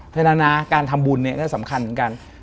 เทแล้วนะการทำบุญเนี่ยก็สำคัญเหมือนกัน